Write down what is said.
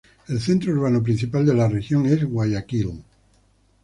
El centro urbano principal de la región es Guayaquil.